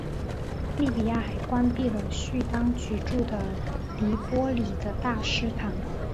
利比亚还关闭了叙当局驻的黎波里的大使馆。